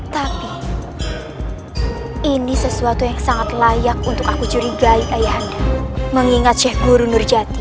tapi ini sesuatu yang sangat layak untuk aku curiga ayahnya mengingat syekh guru nurjati